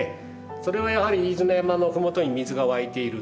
それはやはり飯縄山の麓に水が湧いている。